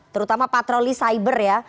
terutama patroli cyber ya